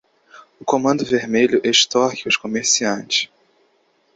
O comando vermelho extorque os comerciantes.